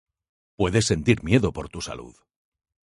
Puedes sentir miedo por tu salud